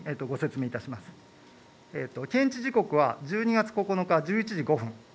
現地時刻は１２月９日１１時５分。